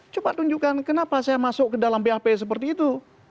coba tunjukkan kenapa saya masuk ke dalam bap seperti itu